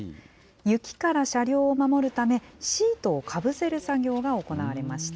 雪から車両を守るため、シートをかぶせる作業が行われました。